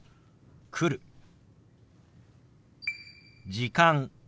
「時間」。